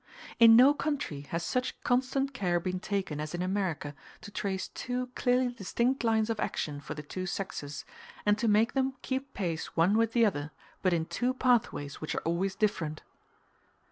In no country has such constant care been taken as in America to trace two clearly distinct lines of action for the two sexes, and to make them keep pace one with the other, but in two pathways which are always different.